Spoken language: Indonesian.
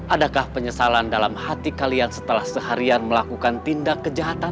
adakah penyesalan dalam hati kalian setelah seharian melakukan tindak kejahatan